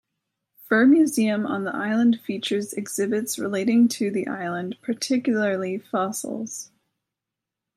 Fur museum on the island features exhibits relating to the island, particularly fossils.